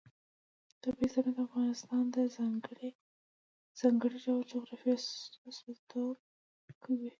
طبیعي زیرمې د افغانستان د ځانګړي ډول جغرافیه استازیتوب کوي.